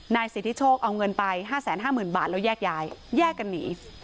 สิทธิโชคเอาเงินไป๕๕๐๐๐บาทแล้วแยกย้ายแยกกันหนี